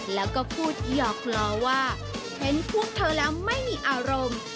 แล้วก็พูดหยอกล้อว่าเห็นพวกเธอแล้วไม่มีอารมณ์